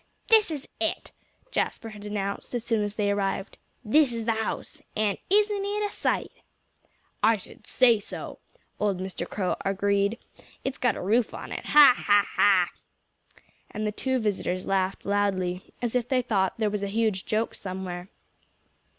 "This is it!" Jasper had announced, as soon as they arrived. "This is his house. And isn't it a sight?" "I should say so!" old Mr. Crow agreed. "It's got a roof on it ha! ha!" And the two visitors laughed loudly, as if they thought there was a huge joke somewhere.